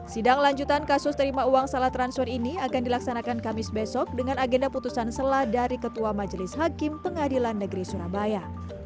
sidang lanjutan kasus terima uang salah transfer ini akan dilaksanakan kamis besok dengan agenda putusan selah dari ketua majelis hakim pengadilan negeri surabaya